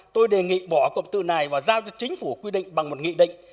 tôi đề nghị bỏ cụm từ này và giao cho chính phủ quy định bằng một nghị định